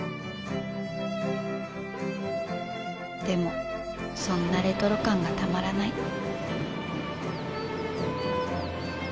でもそんなレトロ感がたまらない